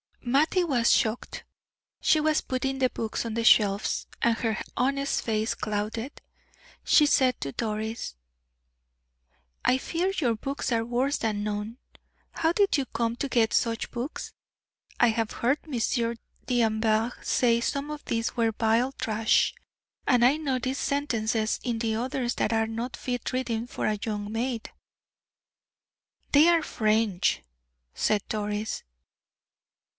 Mattie was shocked. She was putting the books on the shelves, and her honest face clouded. She said to Doris: "I fear your books are worse than none. How did you come to get such books? I have heard Monsieur D'Anvers say some of these were vile trash; and I notice sentences in the others that are not fit reading for a young maid." "They are French," said Doris.